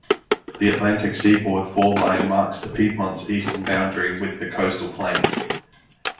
The Atlantic Seaboard fall line marks the Piedmont's eastern boundary with the Coastal Plain.